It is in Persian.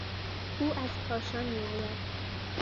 او از کاشان میآید.